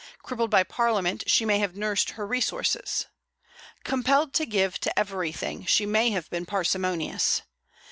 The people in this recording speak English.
Crippled by Parliament, she may have nursed her resources. Compelled to give to everything, she may have been parsimonious.